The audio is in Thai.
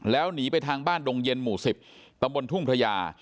แล้วหนีไปทางบ้านดงเย็นหมู่๑๐ตำบลทุ่งพระยา